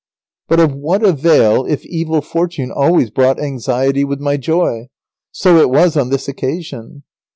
But of what avail if evil fortune always brought anxiety with my joy. So it was on this occasion.